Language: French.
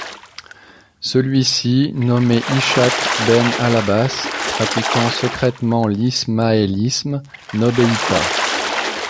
Celui-ci, nommé Ishâq ben al-`Abbâs, pratiquant secrètement l'ismaélisme n'obéit pas.